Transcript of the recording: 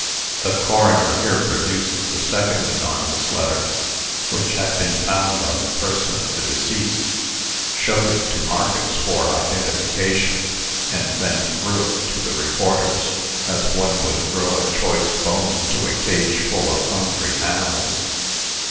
] The coroner here produced the second anonymous letter, which had been found on the person of the deceased, showed it to Marcus for identification, and then threw it to the reporters, as one would throw a choice bone to a cage full of hungry animals.